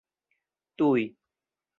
tuj